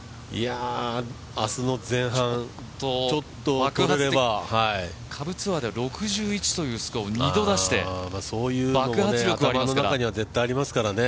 明日の前半、ちょっと下部ツアーでは６１というスコアを二度出して爆発力がありますから。